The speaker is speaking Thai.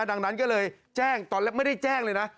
ดังนั้นก็เลยแจ้งตอนแรกไม่ได้แจ้งเลยนะ